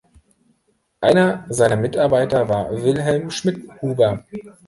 Einer seiner Mitarbeiter war Wilhelm Schmidhuber.